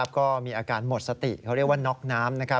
ก็มีอาการหมดสติเขาเรียกว่าน็อกน้ำ